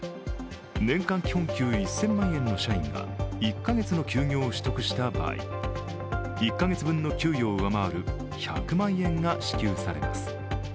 年間基本給１０００万円の社員が１カ月の休業を取得した場合、１か月分の給与を上回る１００万円が支給されます。